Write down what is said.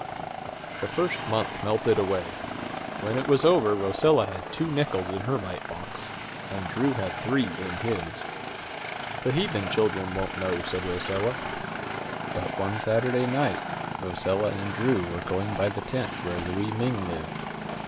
The first month melted away. When it was over, Rosella had two nickels in her mite box, and Drew had three in his. "The heathen children won't know," said Rosella. But one Saturday night Rosella and Drew were going by the tent where Louie Ming lived.